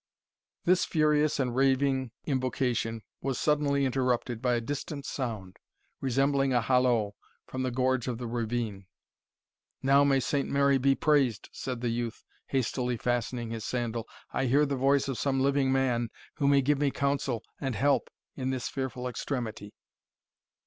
This furious and raving invocation was suddenly interrupted by a distant sound, resembling a hollo, from the gorge of the ravine. "Now may Saint Mary be praised," said the youth, hastily fastening his sandal, "I hear the voice of some living man, who may give me counsel and help in this fearful extremity."